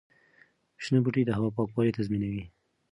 شنه بوټي د هوا پاکوالي تضمینوي.